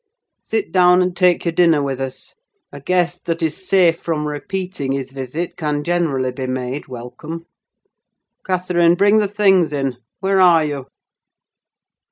Sit down and take your dinner with us; a guest that is safe from repeating his visit can generally be made welcome. Catherine! bring the things in: where are you?"